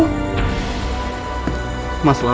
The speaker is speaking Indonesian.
kenapa sedih seperti itu